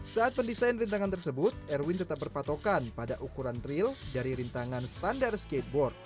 saat mendesain rintangan tersebut erwin tetap berpatokan pada ukuran real dari rintangan standar skateboard